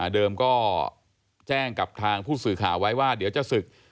เดิมก็แจ้งกับทางผู้สื่อข่าวไว้ว่าเดี๋ยวจะศึก